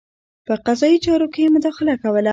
په قضايي چارو کې یې مداخله کوله.